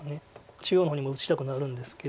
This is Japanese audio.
中央の方にも打ちたくなるんですけど。